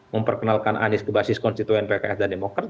memperkenalkan anies ke basis konstituen pks dan demokrat